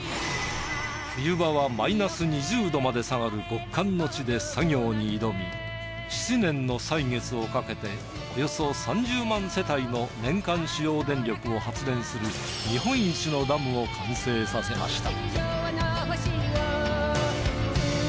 冬場はマイナス２０℃まで下がる極寒の地で作業に挑み７年の歳月をかけておよそ３０万世帯の年間使用電力を発電する日本一のダムを完成させました。